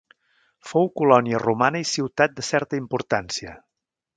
Fou colònia romana i ciutat de certa importància.